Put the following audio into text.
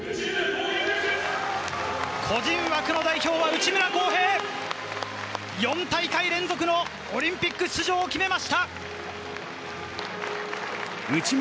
個人枠の代表は内村航平、４大会連続のオリンピック出場を決めました！